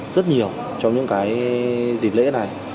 rất nhiều trong những dịp lễ này